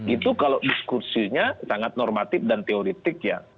itu kalau diskusinya sangat normatif dan teoretik ya